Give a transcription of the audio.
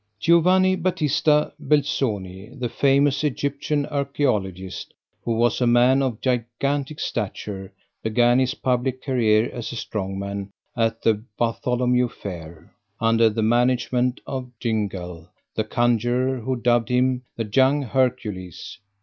Giovanni Battista Belzoni, the famous Egyptian archeologist, who was a man of gigantic stature, began his public career as a strongman at the Bartholomew Fair, under the management of Gyngell, the conjuror, who dubbed him The Young Hercules.